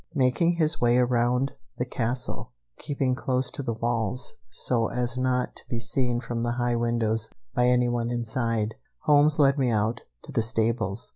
Making his way around the castle, keeping close to the walls, so as not to be seen from the high windows by any one inside, Holmes led me out to the stables.